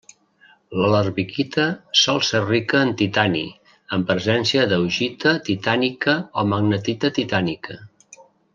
La larvikita sol ser rica en titani, amb presència d'augita titànica o magnetita titànica.